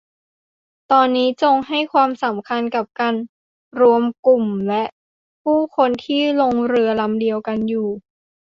ตอนนี้จงให้ความสำคัญกับการรวมกลุ่มและผู้คนที่ลงเรือลำเดียวกันอยู่